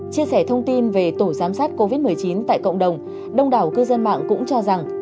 chia sẻ thông tin về tổ giám sát covid một mươi chín tại cộng đồng đông đảo cư dân mạng cũng cho rằng